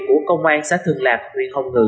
của công an xã thường lạc huyện hồng ngự